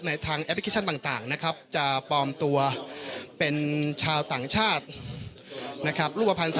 ทางแอปพลิเคชันต่างนะครับจะปลอมตัวเป็นชาวต่างชาตินะครับ